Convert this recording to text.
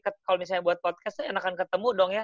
kalau misalnya buat podcast tuh enakan ketemu dong ya